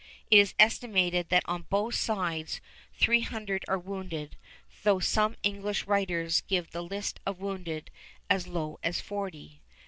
It is estimated that on both sides three hundred are wounded, though some English writers give the list of wounded as low as forty.